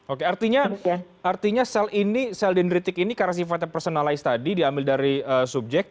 oke artinya sel ini sel dendritik ini karena sifatnya personalize tadi diambil dari subjek